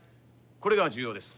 これが重要です。